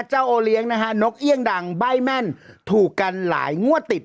โอเลี้ยงนะฮะนกเอี่ยงดังใบ้แม่นถูกกันหลายงวดติด